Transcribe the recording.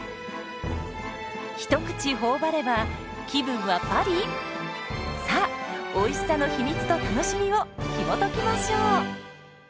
一口頬張れば気分はパリ⁉さあおいしさの秘密と楽しみをひもときましょう。